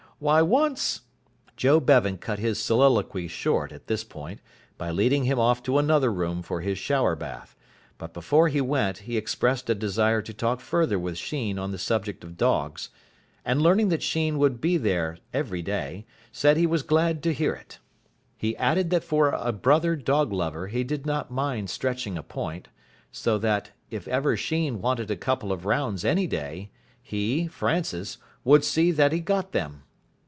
Why once Joe Bevan cut his soliloquy short at this point by leading him off to another room for his shower bath; but before he went he expressed a desire to talk further with Sheen on the subject of dogs, and, learning that Sheen would be there every day, said he was glad to hear it. He added that for a brother dog lover he did not mind stretching a point, so that, if ever Sheen wanted a couple of rounds any day, he, Francis, would see that he got them.